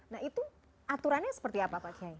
nah itu aturannya seperti apa pak kiai